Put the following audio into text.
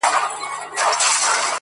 چي د وگړو څه يې ټولي گناه كډه كړې~